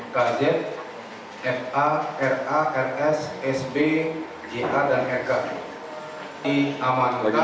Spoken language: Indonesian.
kz fa ra rs sb ja dan rk